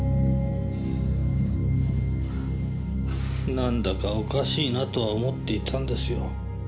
なんだかおかしいなとは思っていたんですよ。